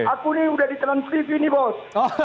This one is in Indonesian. aku ini sudah di transkripsi ini bos